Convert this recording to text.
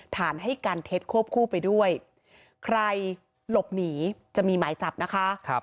ให้การเท็จควบคู่ไปด้วยใครหลบหนีจะมีหมายจับนะคะ